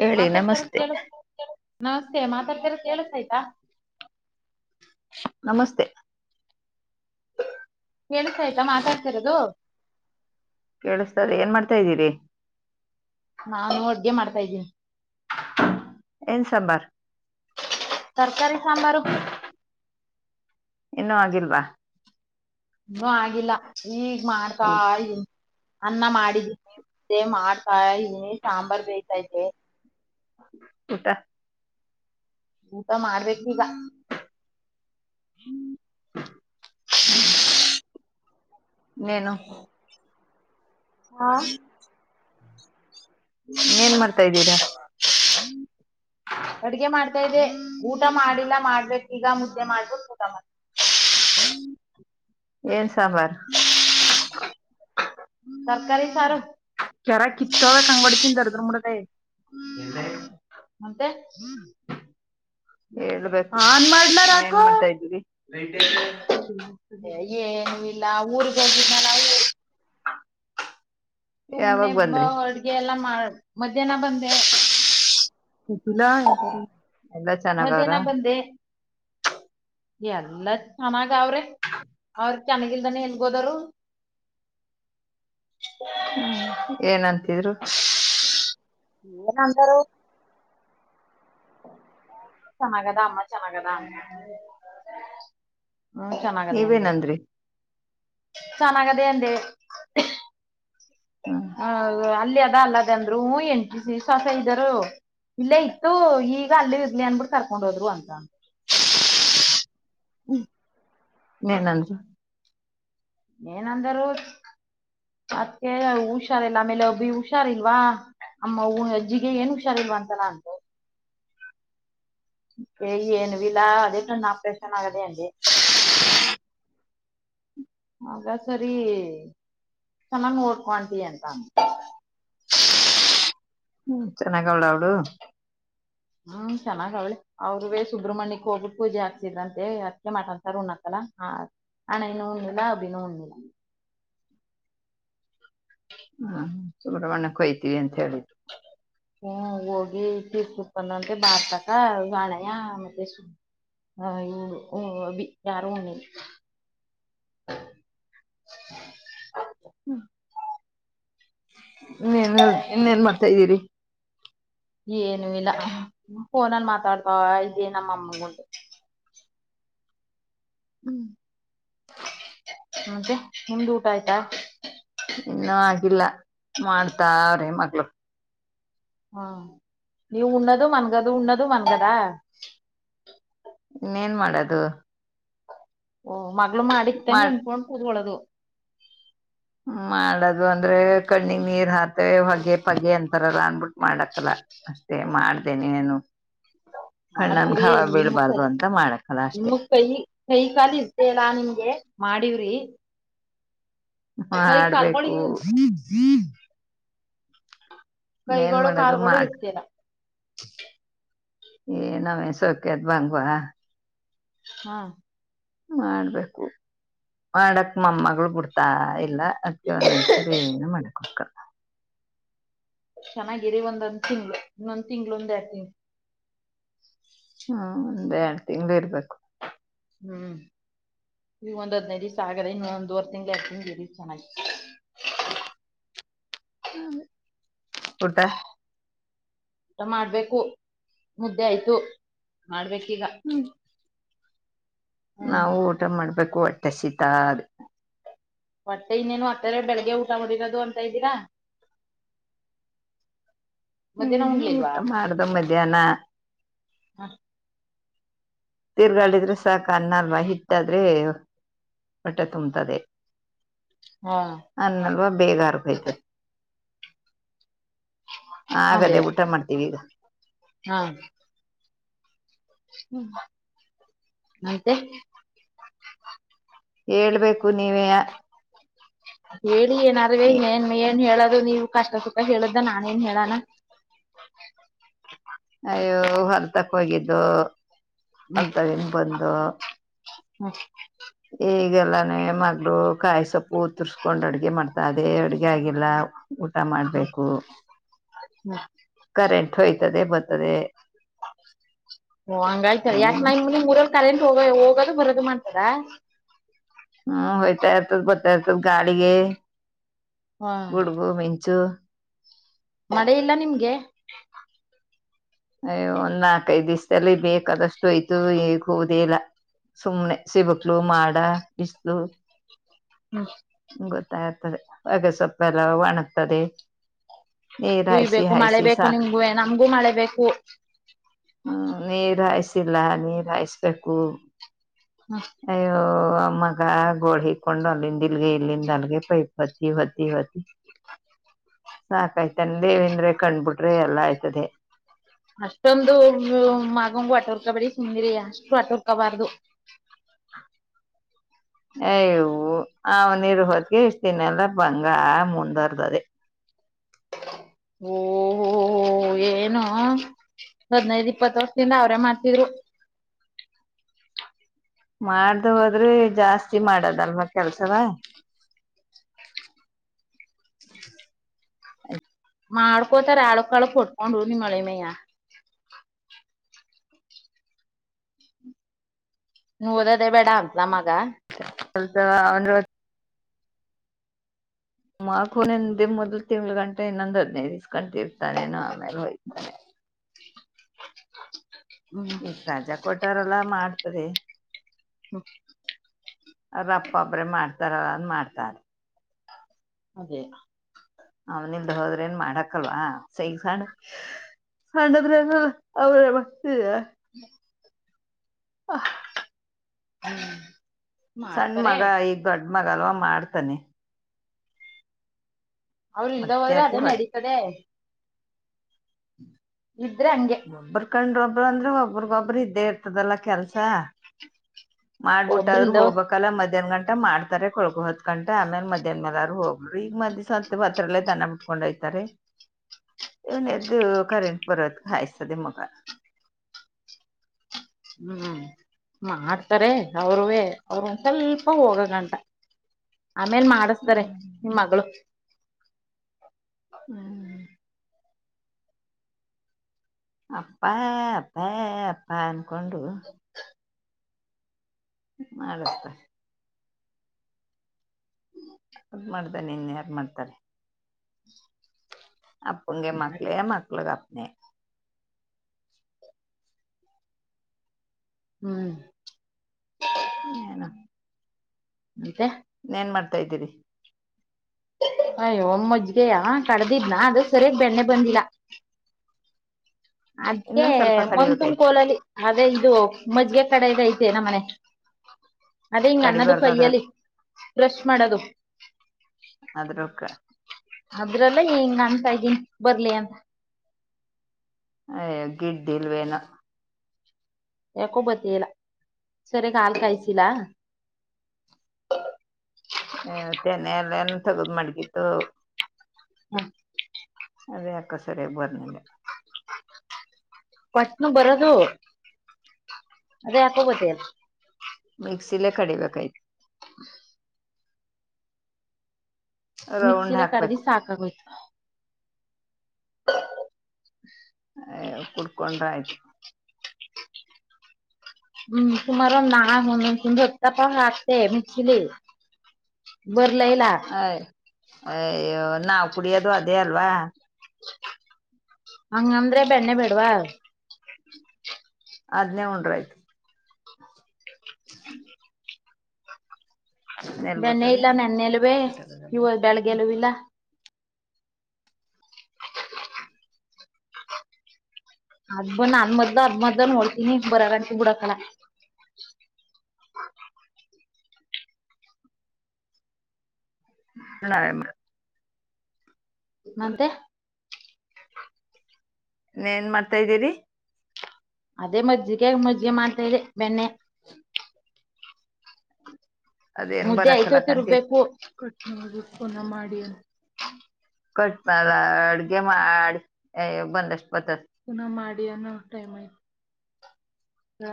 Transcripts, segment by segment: ಹೇಳಿ ಮಾತಾಡ್ತಾರ ನಮಸ್ತೆ ಕೇಳ ನಮಸ್ತೆ ಮಾತಾಡ್ತಾರೋ ಕೇಳಸ ಆಾಯಯ್ತಾ. ನಮಸ್ತೆ. ಎನಸ ಆಾಯ್ತಾ ಮಾತಾಡ್ತಿರೋದು. ಕೇಳಿಸತಾರೆ ಏನ್ ಮಾಡ್ತಾ ಇದ್ದೀರಿ. ನಾನು ಅಡ್ಗೆ ಮಾಡ್ತಾ ಇದ್ದೀನಿ. ಎನ್ಸಂಬರ್. ತರಕಾರಿ ಸಾಂಬಾರು. ಇನ್ನುೂ ಆಗಿಲ್ವಾ. ಇನ್ನುೂ ಆಗಿಲ್ಲ ಈಗ ಊಟ ಮಾಡ್ತಾಯಿದೀನಿ ಅನ್ನ ಮಾಡಿದೀನಿ ಮುದ್ದೆ ಮಾಡ್ತಾನಿ ಸಾಂಬಾರ್ ಬೇತಾಯಿತೇ ಊಟ ಊಟ ಮಾಡ್ಬೇಕಿಗ [inaudible] ಇನ್ನೇನು ಹಾಂ ಇನ್ನೇನ್ ಮಾಡ್ತಾ ಇದ್ದೀರಾ ಅಡ್ಗೆ ಮಾಡ್ತಾ ಇದೆ ಊಟ ಮಾಡಿಲ್ಲ ಮಾಡ್ಬೇಕು ಈಗ ಅಡ್ಗೆ ಮಾಡ್ಬಿಟು ಊಟ ಮಾಡ್ತೀನಿ ಏನ್ ಸಾಂಬಾರ್ ತರಕಾರಿ ಸಾರು ಕೆರ ಕಿತೋದಂಗೆ ಒಡಿತೀನಿ ದರಿದ್ರ ಮುಂಡದೆ [inaudible] ಹೇಳ್ಬೇಕು ಆನ್ ಮಾಡ್ಲಾ ರಕು, ಮಾಡ್ತಾ ಇದ್ದೀರಿ. ಏನು ಇಲ್ಲ ಊರ್ಗ ಹೋಗಿದ್ನಲ್ಲ ನಾವು ಯಾವಾಗ ಸುಮ್ನೆಬ ಬಂದ್ರಿ ಅಡ್ಗೆ ಎಲ್ಲಾ ಮಾಡ ಮಧ್ಯಾಹ್ನ ಬಂದೆ [unintelligible] ಎಲ್ಲಾ ಚೆನ್ನಾಗಾವ್ರ ಎಲ್ಲ ಚೆನ್ನಾಗ ಅವ್ರೆ ಅವ್ರ ಚೆನ್ನಾಗಿಲ್ದಾನ ಎಲ್ಗೋದರು ಏನಂತಿದ್ರು ಏನ್ ಅಂದರೂ ಚಾನಗದ ಅಮ್ಮ ಚೆನ್ನಾಗದ ಹ್ಮ ಚೆನ್ನಾಗದ ಅಂದೇ ನೀವೇನಂದ್ರಿ ಚೆನ್ನಾಗದ [inaudible] ಹ್ಮ್ ಹೌದು ಅಲ್ಲಿ ಅಲ್ಲದಂದ್ರು ಎಂಟ್ ದಿಸಾ ಇದ್ದರು ಇಲ್ಲೇ ಇತ್ತು ಈಗ ಅಲ್ಲಿ ಇದ್ಲಿ ಅನ್ಬಿಟ್ಟ ಕರ್ಕೊಂಡ್ ಹೋದ್ರು ಅಂತ [unintelligible] ಏನಂದರುೂ ಅದಕ್ಕೆ ಹುಷಾರಿಲ್ಲ ಆಮೇಲೆ ಒಬ್ಬಿ ಹುಷಾರ್ಲ್ವಾ ಅಮ್ಮ ಅಜ್ಜಿಗೆ ಏನ್ ಹುಷಾರ್ಲ್ವಾ ಅಂತನ ಅಂದೆ ಐ ಏನು ಇಲ್ಲಾ ಅದೇ ಕಂಡ ಆಪ್ರೇಷನ್ ಆಗದೆ ಅಂದೆ [inaudible] ಹಾಗ ಸರಿ ಚೆನ್ನಾಗ ನೋಡ್ಕೋ ಆಂಟಿ ಅಂದ ಹ್ಮ ಚೆನ್ನಾಗ ಅವಳ ಅವ್ಳು ಹ್ಮ್ ಚೆನ್ನಾಗ ಅವಳೆ ಅವ್ರವೇ ಸುಬ್ರಹ್ಮಣ್ಯಕ್ ಹೋಗ್ ಬೇಕು ಪೂಜೆ ಹಾಕ್ಸಿದ್ರ ಅಂತೆ ಅದಕೆ ಮಾಡಾಂತಾರ ಉಣ್ಣಕಲ್ಲ ಅಣನೂ ಉಣಲಿಲ್ಲ ಅಬಿನೂ ಉಣಲಿಲ್ಲ ಹಾ ಸುಬ್ರಮಣ್ಯಕೆ ಹೊಯ್ತೀವಿ ಅಂತ ಹೇಳು ಹ್ಮ ಹೋಗಿ ತೀರ್ಸಬುಟ್ಟ್ ಬಂದ್ನತೆ ಬಾರ್ತಕ ಗಾಣಯ ಮತ್ತೆ ಅಬಿ ಯಾರು ಹುಡ್ಲಿಲ [inaudible] ಇನ್ನನ್ ಹೇಳು ಇನ್ನೇನ್ ಮಾಡ್ತ ಹತ ಇದ್ದೀರಿ ಏನು ಇಲ್ಲ ಫೋನಲ್ಲಿ ಮಾತಾಡ್ತಾವ ಇದೇ ನಮ್ಮಮ್ಮ ಉಂಟು ಹ್ಮ್ ಮತ್ತೆ ನಿಮ್ದು ಊಟ ಆಯ್ತಾ ಇನ್ನುೂ ಆಗಿಲ್ಲ ಮಾಡ್ತಾರ್ರೇ ಮಗ್ಳು ಹ್ಮ ನೀವು ಉಣ್ಣದು ಮನ್ಗದು ಉಣ್ಣದು ಮನ್ಗದ ಇನ್ನೇನ್ ಮಾಡೋದು ಹ ಮಗಳು ಮಾಡಿತ್ತಂಗ ಮಾಡ್ ಉಂದ್ಕೊಂಡು ಕೂುದೊಳ್ಳೋದು ಮಾಡದು ಅಂದ್ರೆ ಕಣ್ಣಿಗ್ ನೀರ್ ಹಾಕ್ ಮತ್ತೆ ಹೊಗೆ ಪಗೆ ಅಂತಾರಲ್ಲ ಅನ್ಬಿಟ್ಟು ಮಾಡಕಲ್ಲ ಅಷ್ಟ ಮ ಮಾಡ್ತೇನೆ ನೀನು ಮಾಡ್ತೀರಿ ನಿಮ ಕ ಮಾಡಕ್ಕಲ್ಲ ನಿಮ ಅಷ್ಟೇ ಕೈ ಕೈ ಕಾಲಿ ಇ್ದೇ ಅಲಾ ನಿಮ್ಗೆ ಮಾಡಿವ್ರಿ ಕೈ ಕಾಲ್ಗಳು ಮಾಡಬೇಕು ಕೈಗಳು ಕಾಲುಗಳು ಇರ್ತರ ಏ ನ ಮಸೋಕದ ಬಂಗವಾ [unintelligible] ಹಾ ಮಾಡ್ಬೇಕು ಮಾಡಕ್ ಮಮ್ಮಗಳು ಬಿಡ್ತಾ ಇಲ್ಲ ಅದಕ್ಕೆ ಒಂದಂಚೂರಿ ಏನ ಮಾಡಕ [unintelligible] ಚೆನ್ನಾಗಿರಿ ಒಂದ್ಂದ್ ತಿಂಗಗಳು ಇನ್ನೊಂದ್ ತಿಂಗ್ಳ ಒಂದ ಎಡ್ ತಿಂಗ ಹ್ಮ್ ಒಂದೇ ತಿಂಗಳೇ ಇರ್ಬೇಕು ಹ್ಮ್ ಇ ಒಂದ್ ಹದ್ಿನೈದು ದಿವಸ ಆಗದೆ ಇನ್ನುೊಂದ್ುವರ್ ತಿಂಗ್ ಎರಡು ತಿಂಗ್ ಇ ಚೆನ್ನಾಗಿ ಕುಊಟ್ಟೆ ಊಟ ಮಾಡ್ಬೇಕು ಮುದ್ದೆ ಆಯ್ತು ಮಾಡ್ಬೇಕು ಇಗ ನಾವು ಊಟ ಮಾಡ್ಬೇಕ ಹೊಟಸಿತಾದೆ ಮತ್ತೆ ಇನ್ನೇನು ಆತ್ತರ ಬೆಳಗ್ಗೆ ಊಟ ಮಾಡಿರೋದು ಅಂತ ಇದ್ದೀರಾ ಮಧ್ಯಾಹ್ನ ಹ್ಮ್ ಊಟ ಉಣ್ಲಿಲ್ವಾ ಮಾಡ್ದ ಮಧ್ಯಾಹ್ನ ಹ ತಿೀರ್ಗಾಳಿದ್ರೆ ಸಾಕ ಅನ್ನಲ್ವಾ ಹಿಟ್ಟಾದ್ರೆ ಮೊಟ್ಟೆ ತುಂಬತದೆ ಹಾ ಅನ್ನಲ್ವಾ ಬೇಗರ್ಗಯ್ತದೆ ಹ ಅದೇ ಹಾಗಗದೆೇ ಊಟ ಮಾಡ್ತೀವಿ ಈಗ ಹಾ ಹ್ಮ್ ಆಯತ ಹೇಳ್ಬೇಕು ನೀವೇ ಹ್ಮ ಿಯ ಅುವ ಮೇನ್ಮೆಯ ನ್ ಹೇಳದು ನೀವು ಕಷ್ಟ ಸುಖ ಹೇಳುದ್ದ ನಾನೇನ್ ಹೇಳಣ ಒಪ್ಪದು ಅದ ನ್ ಬಂದು ಹ್ಮ ಈಗೆಲ್ಲಾನೇ ಮಗಳು ಕಾಯಿ ಸೊಪ್ಪು ಉತ್ರ್ಸ್ಕೊಂಡ್ ಅಡ್ಗೆ ಮಾಡ್ತ ಅದೇ ಅಡ್ಗೆ ಆಗಿಲ್ಲ ಊಟ ಹ್ಮ್ ಮಾಡ್ಬೇಕು ಹ್ಮ್ ಕರೆಂಟ್ ೋಯ್ತದೆ ಬರ್ತದೆ ಓ ಹಂಗಾಯ್ತಾರೆ ಯಾಕ ಇನ್ನೇನು ನೈನ್ ಮುಂದ ಮೂರ ತಲೆಟ್ ಹೋಗ ಹೋಗೋದು ಬರದು ಮಾಡ್ತಾರಾ ಹ್ಮ್ ಹಯ್ತಾ ಇತ ಬತಾ ಇತ ಗಾಡಿಿಗೆ ಹಾ ಗುಡ್ಬು ಮ ಜ ಮಳೆ ಇಲ್ಲ ನಿಮ್ಗೆ ಅಯ ಒಂದ್ ನಾಕೈದ್ ದಿವಸದಲ್ಲಿ ಬೇಕಾದಷ್ಟು ಆಯ್ತು ಈಗ ಹೋಗುದಿಲ್ಲ ಸುಮ್ನೆ ಸಿಬಕ್ಲು ಮಾಡ ಇಿಸಲು ಹ್ಮ ಗೊತ್ತಾಯರ್ತದೆ ಹಾಗಗೆ ಸೊಪ್ಪ ಎಲ್ಲ ಒಣಗ್ತದೆ ನೀರ್ ಹುಯ್ಬೇಕು ಮಳೆ ಬೇಕು ನಿಮ್ಗೂ ನಮ್ಗೂ ಮಳೆ ಬೇಕು ಹ್ಮ ನೀದಾಯ ಲ್ಲ ನೀರ್ಾಯಸ್ಬೇಕು ಹ್ಮ್ ಅಯ್ಯೋ ಮಗ ಗೋಳ ಹಿಕ್ಕೊಂಡು ಅಲ್ಲಿಂದ ಇಲ್ಗೆ ಇಲ್ಲಿಂದ ಅಲ್ಗೆ ಪೈಪ್ ಹೊತ್ತ ಹೊತ್ತ ಹೊತ್ತ ಸಾಕಾಯ್ತನ್ ದೇವಂದ್ರೆ ಕಣ್ಬಿಟ್ರಿ ಎಲ್ಲಾ ಆಯ್ತದೆ ಅಷ್ಟೊಂದು ಮಗಂಬು ಅಟೋರ್ಕ ಬಿೇಡಿ ಸುಂಗೀರಿ ಅಷ್ಟು ಅಟೋರ್ಕಬಾರ್ದು ಅಯ್ಯವು ಅವನಿರು ಹೊದಕ ಇಷ್ಟತಿನಲ್ಲ ಬಂಗಾರ ಮುಂದುವರ್ದದೆ ಓ ಏನು ಹದ್ಿನೈದು ಇಪ್ಪತ್ ವರ್ಷದಿಂದ ಅವ್ರೇ ಮಾಡ್ತಿದ್ರು ಮಾಡ್ದ ಹೋದ್ರೆ ಜಾಸ್ತಿ ಮಾಡದಲ್ವಾ ಕೆಲ್ಸದ ಮಾಡ್ಕೋತಾರೆ ಅಳ್ ಕಳಕ್ ಹೊಟ್ಕೊಂಡರು ನೀ ಮಳಿ ಮಯ್ಯ ನೋದದೇ ಬೇಡ ಅಂತ ನ ಮಗ ಲ್ತಾವ ಅವಂದ ಮಕುನಂದ ದ ಮೊದಲು ತಿಂಗ್ಳ ಗಂಟೆ ಇನ್ನೊಂದು ಹದ್ನೇಸ್ಕೊಂಡ ಇರ್ತಾನೇನ ಆಮೇಲೆ ಹೋಯ್ತಾನೆ ಹ್ಮ್ ರಜಾ ಕೊಟ್ಟಾರಲ್ಲಾ ಮಾಡ್ತರಿ ಹ್ಮ ತರ ಮಾಡ್ತಾರೆ ಅದೇ ಅವ್ನಲ್ದ ಹೋದ್ರ ಏನ್ ಮಾಡಕಲ್ವಾ ಸೈಗ ಸಣ್ಣ ಸದ್ರ್ರ ಹ್ಮ್ ಹ ಹ್ಮ ಸಣ್ಣ ಮಗ ಐ ದಡ್ ಅ್ಮಾಗಲ್ವ ಮಾಡ್ತಾನೆ ಅವ್ರ ಇಲ್ದ ಅದ್ಕ ಹೋದ್ರೆ ಯಾಕೆ ಅದನ್ನ ಒಟ್ ನಡೀತದೆ ಹ್ಮ ಹಬ್ಬರ್ಕಂಡ್ರ ಒಬ್ರು ಅಂದ್ರೆ ಒಬ್ರಗೊಬ್ರು ಇದ್ದೇ ಇರ್ತದಲ್ಲ ಕೆಲ್ಸ ಮಾಡ್ಬಿಟ್ಟ ಆದ್ರೂ ಒಬ್ರಿಲ್ದ ಹೋಗಬೇಕಲ್ಲ ಮಧ್ಯಾಹ್ನ ಗಂಟ ಂಟ ಮಾಡ್ತಾರೆ ಕೊಳಗು ಹೊತ್ ಕಂಟೆ ಆಮೇಲೆ ಮಧ್ಯಾಹನ್ ಮೇಲ ಅವರು ಹೋಗರು ಈಗ ಮದ್ ಸ್ವಂತ ಹತ್ರಲ್ಲೇ ದನ ಬಿಟ್ಕೊಂಡ್ ಹಯತಾರೆ ಇವನ ಎದ್ದು ಕರೆಂಟ್ ಬರೋದ ಹಾಯ್ತದೆ ಮಗ ಹ್ಮ್ ಮಾಡ್ತಾರೆ ಅವರುೇ ಅವರು ಒಂದ ಸ್ವಲ್ಪ ಹೋಗಂಗಂಟ ಆಮೇಲ್ ಮಾಡಸ್ತಾರೆ ಹ್ಮ್ ನಿಮ್ ಮಗಳು ಹ್ಮ್ ಅಪ್ಪಾ ಅಪ್ಪ ಅಪ್ಪ ಕೊಂಡು ಮಾಡಳಿಸತ ನಿನ್ ಯಾರು ಮಾಡ್ತಾರೆ ಅಪ್ಪನ್ಗೆ ಮಕ್ಕಳೇ ಮಕ್ಕಲ್ಗೆ ಅಪ್ಪ್ ಬಾಯ್ ಹ್ಮ್ ಏನೇನ ಮತ್ತೆ ಏನ್ ಮಾಡ್ತಾ ಇದ್ದೀರಿ ಅಯ್ಯೋ ಮಜ್ಗೆಯ ಕಡ್ದಿದ್ನ ಅದು ಸರಿಯದ್ ಬೆಣ್ಣೆ ಬಂದಿಲ್ಲ ಅದೇ ಇನ್ನೊಂದ್ ಸ್ವಲ್ಪ ಮನ್ ತುಮ್ ಕಡಿಬೇಕಾಯ್ತು ಕೋಲಲ್ಲಿ ಅದೇ ಇದು ಮಜ್ಗೆ ಕಡೆದ್ ಐತೆ ನಮ್ ಮನೆ ಅದೇ ಹಿಂಗ್ ಅನ್ನದು ಕಡಿಬಾರ್ದು ಅದ್ರ ಕೈಯಲ್ಲಿ ಬ್ರಷ್ ಮಾಡೋದು ಅದ್ರಕ್ಕ ಅದ್ರಲ್ಲ ಹಿಂಗ್ ಅನ್ಸಾ ಇದ್ದೀನಿ ಬರ್ಲಿ ಅಂತ ಅಯೋ ಗಿಡ್ ಇಲ್ವೇಲ್ಲ ಯಕೋಬತ್ತೆ ಇಲ್ಲ ಸರಿಯಗ್ ಹಾಲ್ ಕಾಯಸಿಲ್ಲ ಕೆನೆಲ್ ಯಂತದು ಮಾಡ್ಗಿತು ಹ್ಮ ಅದಕ್ಕ ಸರಿ ಬಂದಿಲ್ಲ ಪಟ್ನು ಬರದು ಅದೇ ಯಕೋಬತ್ತಲ್ಲ ಮ್ಸ್ ಇಲ್ಲೇ ಕಡಿಬೇಕೇಕಾಯ್ತು ರೌಂಡ್ ಮಿಕ್ಸಿಲೆ ಕಡದಿ ಹಾಕ್ಬೇಕು ಸಾಕಾಗೋಯ್ತು ಹ [inaudible] ಅ ಕುಡ್ಕೊಂಡ್ರ ಆಯ್ತು ಹ್ಮ್ ಕುಮಾರು ನಾ ಹನುಂದುತಪ್ಪ ಅಷ್ಟೇ ಮಿಕ್ಸಿಲಿ ಬರ್ಲ ಇಲ್ಲ ಹಾಯ್ ಅಯೋ ದ್ ನಾವು ಕುಡಿಯೋದು ಅದೇ ಅಲ್ವಾ ಹಂಗಂದ್ರೆ ಬೆನ್ನೆ ಬಿಡ್ವಾ ಅದನ್ನೇ ಉಂಡರಾಯ್ತು ಬೆನ್ನ ಬರ್ತದೆ ಇಲ್ಲ ನೆನ್ನೆಲ್ಲುವೇ ಬಿಟ್ಟದಲ್ವಾ ನೀವು ಬೆಳಗ್ಗೆನು ಇಲ್ಲ ಅದಬನ್ ಅನ್ಮದ್ದನ್ ಅ ಮದನ್ ಒಳ್ತೀ ನೀ ಬರಟ ಬುಡಕಲ [unintelligible] ಮತ್ತೆ ಏನ್ ಮಾಡ್ತಾ ಇದ್ದೀರಿ ಅದೇ ಮಜ್ಜಿಗೆ ಮಜ್ಜಿಗೆ ಮಾಡ್ತಾ ಇದೆ ಬೆಣ್ಣೆ ಅದೇನ್ ಮುದ್ದೆ ಬರಕ್ ಕ್ಕ ಐತೋತಿ ರುಬ್ಬೇಕು [inaudible] ಕಟ್ಡತರ ಅಡ್ಗೆ ಮಾಡಿ ಬಂದಷ್ಟ ಬತದ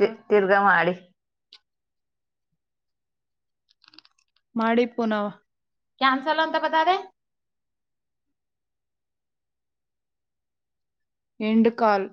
ತಿ ತಿರ್ಗ ಮಾಡಿ ಮಾಡಿ ಪು ನಾವ್ ಕ್ಯಾನ್ಸಲ್ ಅಂತ ಬತಾದೆ ಎಂಡ್ಕಾಲ್